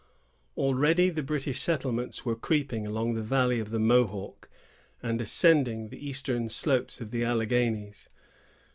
Already the British settlements were creeping along the valley of the Mohawk, and ascending the eastern slopes of the Alleghanies.